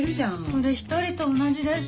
それ１人と同じです。